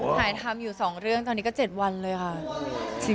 ถ่ายทำอยู่๒เรื่องตอนนี้ก็๗วันเลยค่ะ